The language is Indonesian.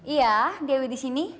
iya dewi di sini